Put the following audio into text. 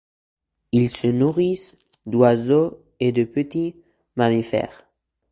Ils se nourrissent d'oiseaux et de petits mammifères.